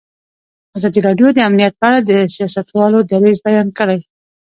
ازادي راډیو د امنیت په اړه د سیاستوالو دریځ بیان کړی.